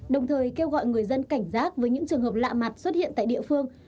đồng thời kêu gọi người dân cảnh giác với những trường hợp lạ mặt xuất hiện tại địa phương